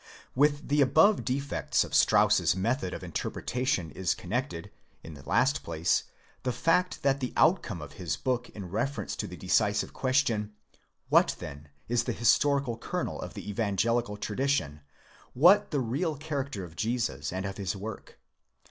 With the above defects of Strauss's method of interpretation is connected, in the last place, the fact that the outcome of his book in reference to the de cisive question,—What, then, is the historical kernel of the evangelical tradition, what the real character of Jesus and of his work